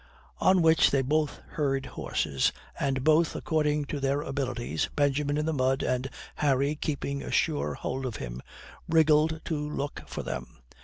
On which they both heard horses, and both, according to their abilities Benjamin in the mud, and Harry keeping a sure hold of him wriggled to look for them.